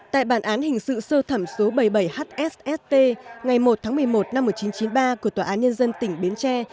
tại bản án hình sự sơ thẩm số bảy mươi bảy hssp ngày một tháng một mươi một năm một nghìn chín trăm chín mươi ba của tòa án nhân dân tỉnh bến tre